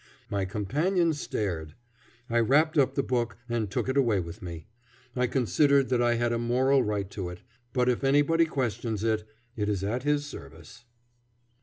My companion stared. I wrapped up the book and took it away with me. I considered that I had a moral right to it; but if anybody questions it, it is at his service.